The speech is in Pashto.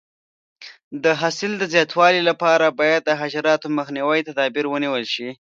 د حاصل د زیاتوالي لپاره باید د حشراتو مخنیوي تدابیر ونیول شي.